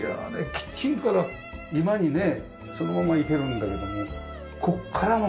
キッチンから居間にねそのまま行けるんだけどもここからの。